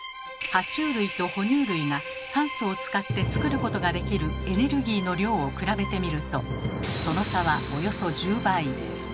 は虫類と哺乳類が酸素を使って作ることができるエネルギーの量を比べてみるとその差はおよそ１０倍。